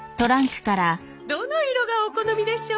どの色がお好みでしょう？